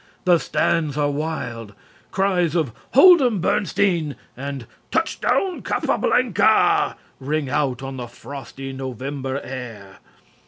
The stands are wild. Cries of "Hold 'em, Bernstein!" and "Touchdown, Capablanca!" ring out on the frosty November air.